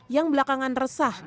yang belakangan resah